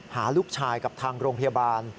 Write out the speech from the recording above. หาลูกชายกับทางโรงพยาบาล